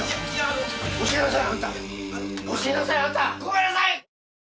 ごめんなさい！